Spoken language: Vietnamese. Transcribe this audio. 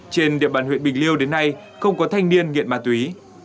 trên địa bàn huyện bình liêu đến nay không có thanh niên nghiện ma túy